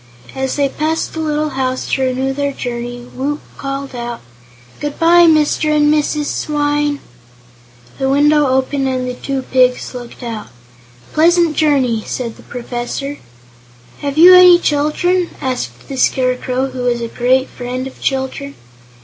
As they passed the little house to renew their journey, Woot called out: "Good bye, Mr. and Mrs. Swyne!" The window opened and the two pigs looked out. "A pleasant journey," said the Professor. "Have you any children?" asked the Scarecrow, who was a great friend of children.